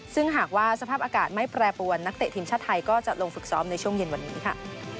ซึ่งหากว่าสภาพอากาศไม่แปรปวนนักเตะทีมชาติไทยก็จะลงฝึกซ้อมในช่วงเย็นวันนี้ค่ะ